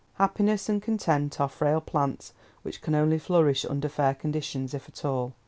Happiness and content are frail plants which can only flourish under fair conditions if at all.